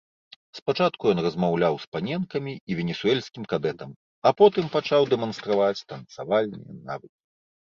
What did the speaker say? Спачатку ён размаўляў з паненкамі і венесуэльскім кадэтам, а потым пачаў дэманстраваць танцавальныя навыкі.